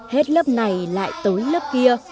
hết lớp này lại tới lớp kia